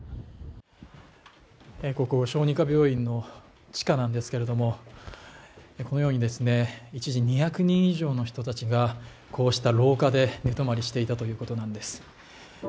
ここ小児科病院の地下なんですけれども、このように一時２００人以上の人たちが、こうした廊下で寝泊まりしていたということなんです。